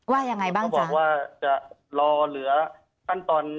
ว่ายังไงบ้างจ๊ะ